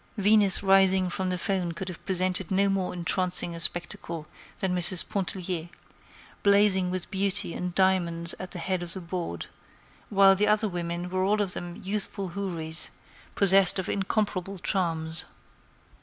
Venus rising from the foam could have presented no more entrancing a spectacle than Mrs. Pontellier, blazing with beauty and diamonds at the head of the board, while the other women were all of them youthful houris, possessed of incomparable charms.